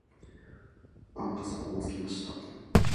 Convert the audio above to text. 案が底をつきました。